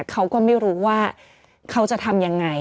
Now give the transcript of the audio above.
เขาก็ไม่รู้ว่าเขาจะทำยังไง